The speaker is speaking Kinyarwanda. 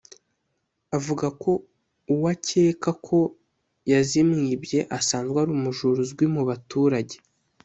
Avuga ko uwo akeka ko yazimwibye asanzwe ari umujura uzwi mu baturage